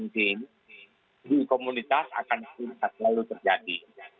di komunitas akan selalu terjadi